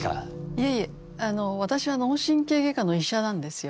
いえいえ私は脳神経外科の医者なんですよ。